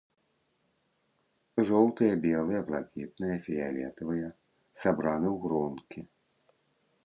Жоўтыя, белыя, блакітныя, фіялетавыя сабраны ў гронкі.